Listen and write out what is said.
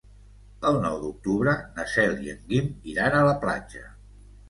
El nou d'octubre na Cel i en Guim iran a la platja.